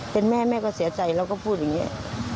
เป็นแม่แม่ก็เสียใจเราก็พูดอย่างนี้